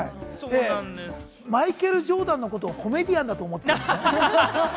マイケル・ジョーダンのことをコメディアンと思ってたんじゃない？